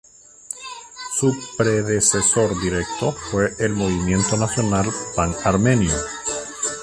Su predecesor directo fue el Movimiento Nacional Pan-Armenio.